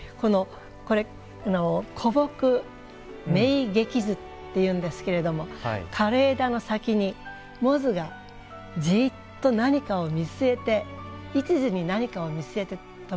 これ「枯木鳴鵙図」っていうんですけれども枯れ枝の先にモズがじっと何かを見据えていちずに何かを見据えてとまってますね。